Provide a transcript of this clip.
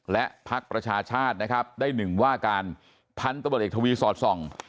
และภักดิ์ประชาชาตินะครับได้๑ว่าการพันธุ์ตะเบิดเอกทวีสอดส่อง